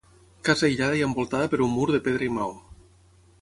Casa aïllada i envoltada per un mur de pedra i maó.